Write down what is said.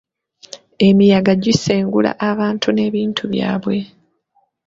Emiyaga gisengula abantu n'ebintu byabwe.